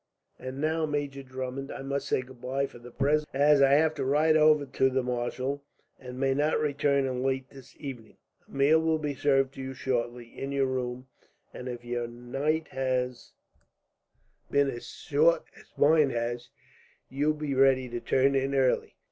"And now, Major Drummond, I must say goodbye for the present, as I have to ride over to the marshal, and may not return until late this evening. A meal will be served to you shortly, in your room; and if your night has been as short as mine has, you will be ready to turn in early.